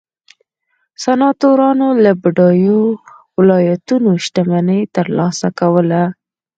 سناتورانو له بډایو ولایتونو شتمني ترلاسه کوله